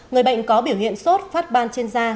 người bệnh có biểu hiện sốt phát ban trên da